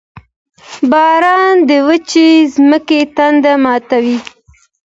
• باران د وچې ځمکې تنده ماتوي.